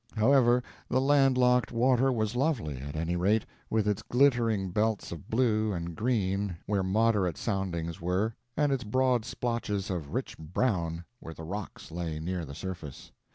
However, the land locked water was lovely, at any rate, with its glittering belts of blue and green where moderate soundings were, and its broad splotches of rich brown where the rocks lay near the surface.